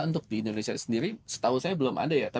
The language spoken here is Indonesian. untuk di indonesia sendiri setahu saya belum ada ya